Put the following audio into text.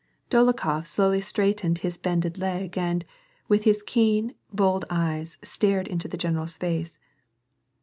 Dolokhof slowly straightened his bended leg, and, with his keen, bold eyes, stared into the general's face.